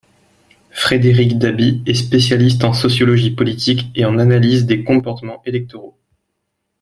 Frédéric Dabi est spécialiste en sociologie politique et en analyse des comportements électoraux.